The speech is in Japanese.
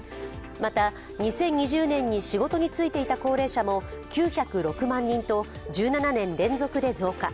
また、２０２０年に仕事に就いていた高齢者も９０６万人と１７年連続で増加。